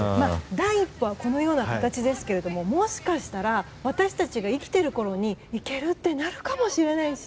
第一歩はこのような形ですけれどももしかしたら私たちが生きている間に行けることになるかもしれないし。